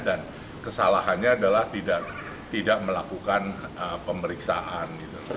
dan kesalahannya adalah tidak melakukan pemeriksaan